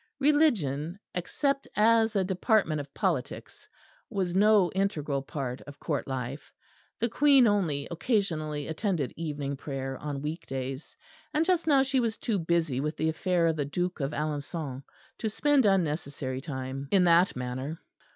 Religion, except as a department of politics, was no integral part of Court life. The Queen only occasionally attended evening prayer on week days; and just now she was too busy with the affair of the Duke of Alençon to spend unnecessary time in that manner.